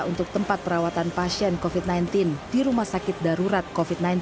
untuk tempat perawatan pasien covid sembilan belas di rumah sakit darurat covid sembilan belas